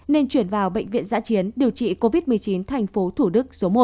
nên chuyển vào bệnh viện giã chiến điều trị covid một mươi chín tp thu đức số một